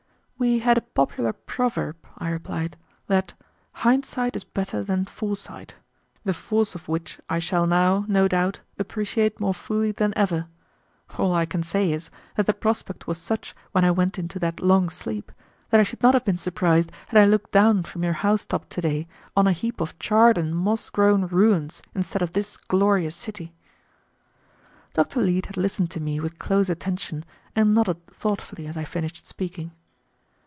"We had a popular proverb," I replied, "that 'hindsight is better than foresight,' the force of which I shall now, no doubt, appreciate more fully than ever. All I can say is, that the prospect was such when I went into that long sleep that I should not have been surprised had I looked down from your house top to day on a heap of charred and moss grown ruins instead of this glorious city." Dr. Leete had listened to me with close attention and nodded thoughtfully as I finished speaking.